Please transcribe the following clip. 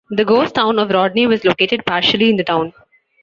The ghost town of Rodney was located partially in the town.